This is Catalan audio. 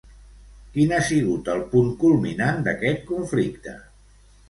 Quin ha sigut el punt culminant d'aquest conflicte?